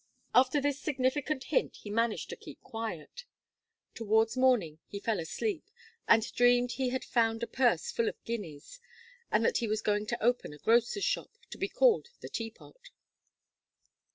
After this significant hint, he managed to keep quiet. Towards morning, he fell asleep, and dreamed he had found a purse full of guineas, and that he was going to open a grocer's shop, to be called the Teapot.